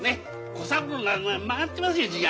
小三郎のは曲がってますよ字が。